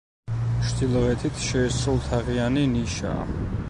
ჩრდილოეთით შეისრულთაღიანი ნიშაა.